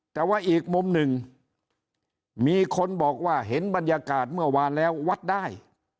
แต่ว่าอีกมุมหนึ่งมีคนบอกว่าเห็นบรรยากาศเมื่อวานแล้ววัดได้